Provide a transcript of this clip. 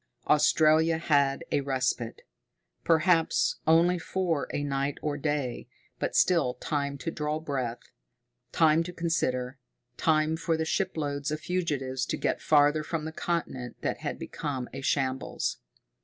Australia had a respite. Perhaps only for a night or day, but still time to draw breath, time to consider, time for the shiploads of fugitives to get farther from the continent that had become a shambles.